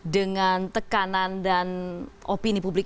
dengan tekanan dan opini publik